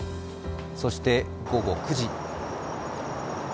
そして午後９時。